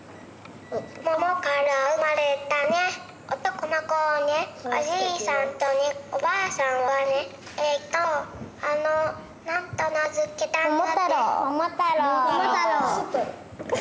桃から生まれたね男の子をねおじいさんとねおばあさんはねえとあの何と名付けたんだっけ？